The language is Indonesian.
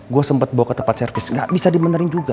gue sempat bawa ke tempat servis gak bisa dimenerin juga